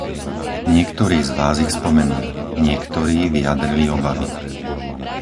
Niektorí z Vás ich spomenuli; niektorí vyjadrili obavy.